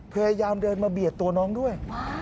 พยายามเดินมาเบียดตัวน้องด้วย